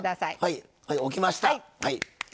はい置きました。